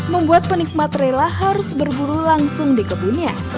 membuat penikmat rela harus berburu langsung di kebunnya